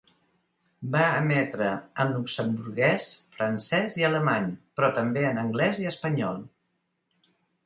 Va emetre en luxemburguès, francès i alemany, però també en anglès i espanyol.